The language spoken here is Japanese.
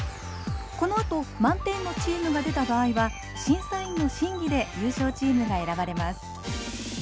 このあと満点のチームが出た場合は審査員の審議で優勝チームが選ばれます。